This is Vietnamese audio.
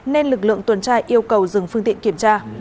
nên lực lượng tuần tra yêu cầu dừng phương tiện kiểm tra